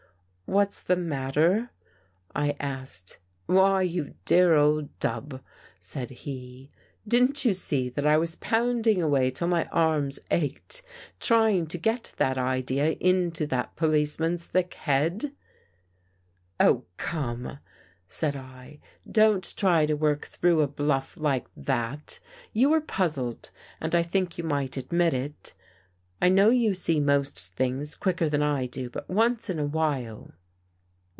What's the matter? " I asked. " Why, you dear old dub," said he, " didn't you see that I was pounding away till my arms ached, trying to get that idea into that policeman's thick head?" "Oh, come!" said I. "Don't try to work through a bluff like that. You were puzzled and I think you might admit it. I know you see most things quicker than I do, but once in a while